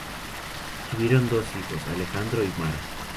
Tuvieron dos hijos: Alejandro y Mara.